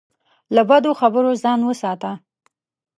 له بدو خبرو ځان وساته.